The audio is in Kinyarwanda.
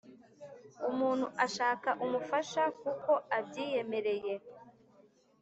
umuntu ashaka umufasha kuko abyiyemereye.